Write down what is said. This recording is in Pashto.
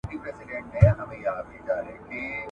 که بیړه نه وي نو خواړه به خامخا سړه شي.